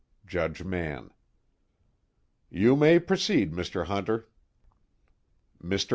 JUDGE MANN: You may proceed, Mr. Hunter. MR.